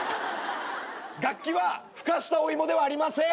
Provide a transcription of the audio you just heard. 楽器はふかしたお芋ではありません。